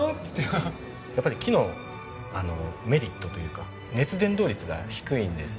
やっぱり木のメリットというか熱伝導率が低いんです。